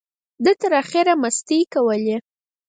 ده تر اخره مستۍ کولې.